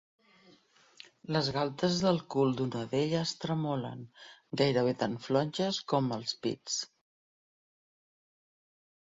Les galtes del cul d'una d'elles tremolen, gairebé tan flonges com els pits.